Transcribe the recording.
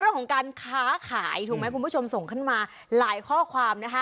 เรื่องของการค้าขายถูกไหมคุณผู้ชมส่งขึ้นมาหลายข้อความนะคะ